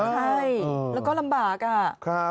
ใช่แล้วก็ลำบากอะ